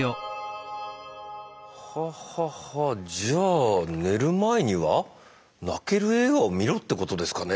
はあはあはあじゃあ寝る前には泣ける映画を見ろってことですかね？